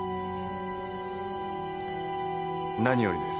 何よりです。